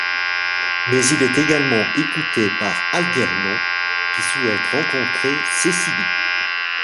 Mais il est également écouté par Algernon, qui souhaite rencontrer Cecily.